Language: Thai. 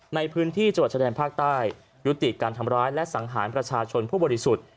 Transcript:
ในพื้นที่จังหวัดชะแดนภาคใต้ยุติการทำร้ายและสังหารประชาชนผู้บริสุทธิ์